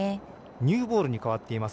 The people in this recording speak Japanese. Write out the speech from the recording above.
ニューボールに変わっています。